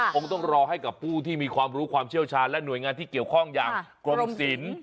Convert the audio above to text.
คงต้องรอให้กับผู้ที่มีความรู้ความเชี่ยวชาญและหน่วยงานที่เกี่ยวข้องอย่างกรมศิลป์